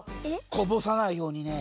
こぼさないようにね。